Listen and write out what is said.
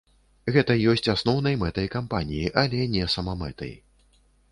Гэта ёсць асноўнай мэтай кампаніі, але не самамэтай.